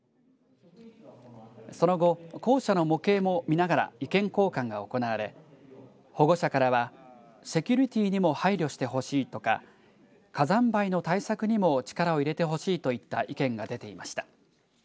その後、校舎の模型も見ながら意見交換が行われ保護者からはセキュリティーにも配慮してほしいとか火山灰の対策にも力を入れてほしいといった意見が出ていました。